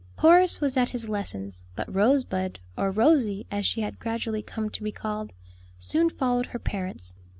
Horace was at his lessons, but Rosebud, or Rosie as she had gradually come to be called, soon followed her parents.